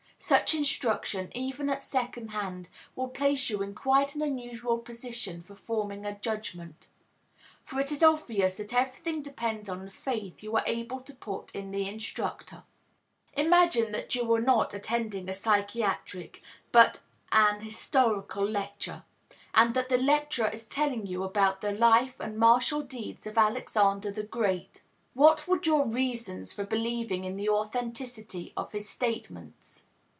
Such instruction even at second hand, will place you in quite an unusual position for forming a judgment. For it is obvious that everything depends on the faith you are able to put in the instructor. Imagine that you are not attending a psychiatric, but an historical lecture, and that the lecturer is telling you about the life and martial deeds of Alexander the Great. What would be your reasons for believing in the authenticity of his statements?